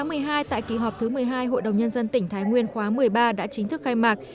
ngày một mươi hai tại kỳ họp thứ một mươi hai hội đồng nhân dân tỉnh thái nguyên khóa một mươi ba đã chính thức khai mạc